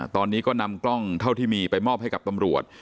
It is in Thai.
ตอนนี้ก็นำกล้องเท่าที่มีไปมอบให้กับตำรวจ